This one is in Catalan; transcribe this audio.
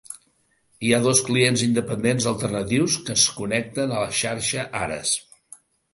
Hi ha dos clients independents alternatius que es connecten a la xarxa Ares.